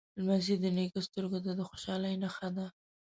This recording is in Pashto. لمسی د نیکه سترګو ته د خوشحالۍ نښه ده.